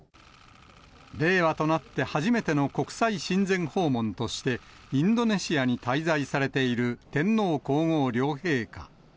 令和となって初めての国際親善訪問として、インドネシアに滞在されている天皇皇后両陛下。